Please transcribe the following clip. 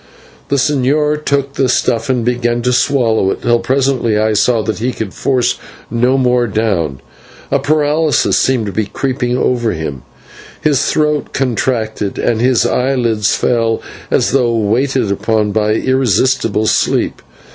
The señor took the stuff and began to swallow it, till presently I saw that he could force no more down, for a paralysis seemed to be creeping over him; his throat contracted, and his eyelids fell as though weighed upon by irresistible sleep.